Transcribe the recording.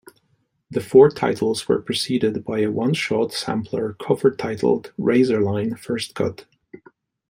The four titles were preceded by a one-shot sampler cover-titled: "Razorline: First Cut".